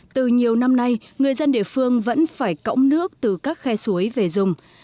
từ nhiều năm nay người dân địa phương vẫn phải cõng nước từ các khe suối về dùng